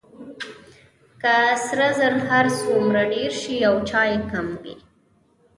که سره زر هر څومره ډیر شي او چای کم وي.